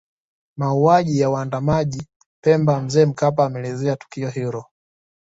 Mauaji ya waandamanaji Pemba Mzee Mkapa ameeleza tukio hilo